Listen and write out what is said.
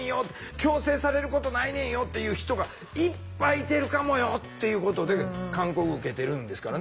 強制されることないねんよっていう人がいっぱいいてるかもよっていうことで勧告受けてるんですからね。